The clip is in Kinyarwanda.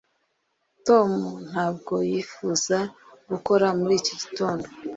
tom ntabwo yifuza gukora muri iki gitondo